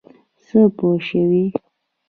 څه پوه شوې.